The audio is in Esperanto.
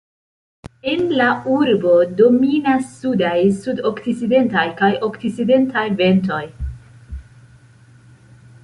En la urbo dominas sudaj, sud-okcidentaj kaj okcidentaj ventoj.